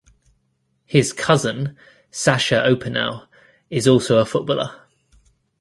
His cousin, Sacha Opinel, is also a footballer.